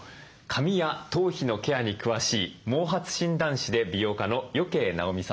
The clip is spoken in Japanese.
髪や頭皮のケアに詳しい毛髪診断士で美容家の余慶尚美さんです。